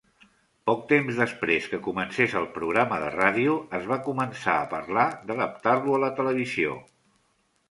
Poc temps després que comencés el programa de ràdio, es va començar a parlar d'adaptar-lo a la televisió.